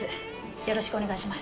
よろしくお願いします。